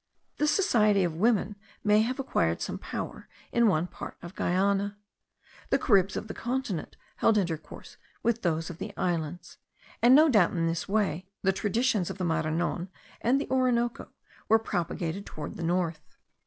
This society of women may have acquired some power in one part of Guiana. The Caribs of the continent held intercourse with those of the islands; and no doubt in this way the traditions of the Maranon and the Orinoco were propagated toward the north.